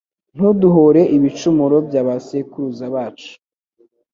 Ntuduhore ibicumuro by’aba sekuruza bacu